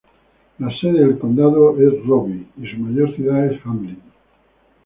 La sede del condado es Roby, y su mayor ciudad es Hamlin.